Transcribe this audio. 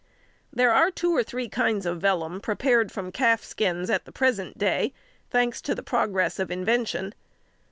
There are two or three kinds of vellum prepared from calf skins at the present day, thanks to the progress of invention.